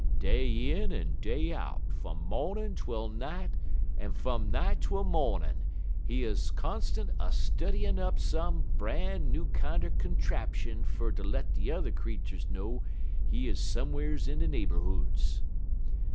Day in en day out, fum mawnin' twel night en fum night twel mawnin', he 'uz constant a studyin' up some bran new kinder contrapshun fer ter let de yuther creeturs know he 'uz some'rs in de neighborhoods.